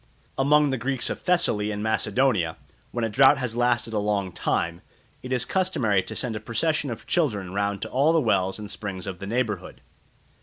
Among the Greeks of Thessaly and Macedonia, when a drought has lasted a long time, it is customary to send a procession of children round to all the wells and springs of the neighbourhood.